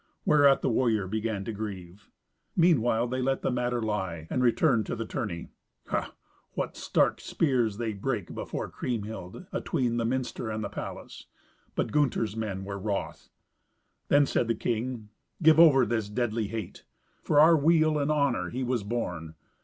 Whereat the warrior began to grieve. Meanwhile they let the matter lie, and returned to the tourney. Ha! what stark spears they brake before Kriemhild, atween the minster and the palace; but Gunther's men were wroth. Then said the king, "Give over this deadly hate. For our weal and honour he was born.